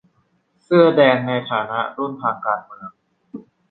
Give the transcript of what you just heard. เสื้อแดงในฐานะรุ่นทางการเมือง